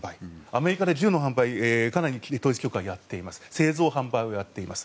アメリカで銃の販売かなり統一教会は製造・販売をやっています。